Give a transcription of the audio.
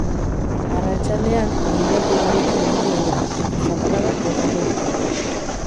Arratsaldean hodeiak ugaritu egingo dira, eta zaparradak botako ditu.